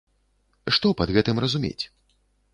Што пад гэтым разумець?